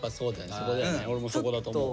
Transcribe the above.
そこだよね俺もそこだと思うわ。